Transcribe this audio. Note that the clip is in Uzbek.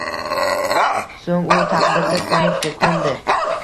So‘ng u „taqdirga ko‘nikdi, ko‘ndi –